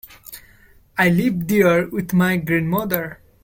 I live there with my grandmother.